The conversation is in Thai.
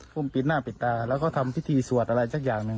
ผมปิดหน้าปิดตาแล้วก็ทำพิธีสวดอะไรสักอย่างหนึ่ง